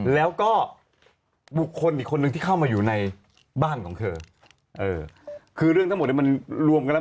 แล้วก็บุคคลอีกคนนึงที่เข้ามาอยู่ในบ้านของเธอเออคือเรื่องทั้งหมดเนี่ยมันรวมกันแล้ว